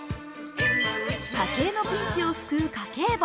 家計のピンチを救う家計簿。